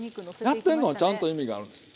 やってんのはちゃんと意味があるんです